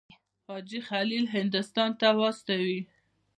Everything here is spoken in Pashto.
حاجي خلیل هندوستان ته واستوي.